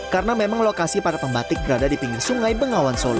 karena memang lokasi para pembatik berada di pinggir sungai bengawan solo